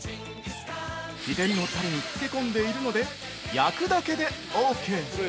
秘伝のタレに漬け込んでいるので焼くだけでオーケー！